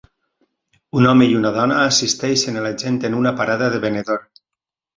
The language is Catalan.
Un home i una dona assisteixen a la gent en una parada de venedor.